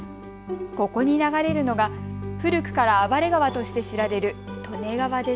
ここに流れるのが古くから暴れ川として知られる利根川です。